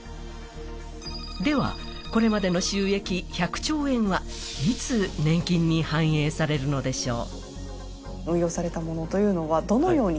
では、これまでの収益１００兆円はいつ年金に反映されるのでしょう？